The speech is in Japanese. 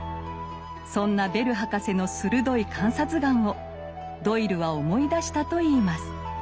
そんなベル博士の鋭い観察眼をドイルは思い出したといいます。